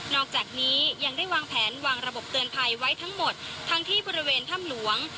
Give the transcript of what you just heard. อกจากนี้ยังได้วางแผนวางระบบเตือนภัยไว้ทั้งหมดทั้งที่บริเวณถ้ำหลวง